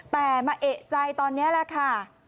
แต่มาเอกใจตอนนี้แหละค่ะ